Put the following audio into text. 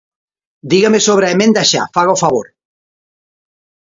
Dígame sobre a emenda xa, faga o favor.